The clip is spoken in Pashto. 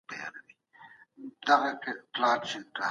حکومتونو به د رایې ورکولو حق تضمین کړی وي.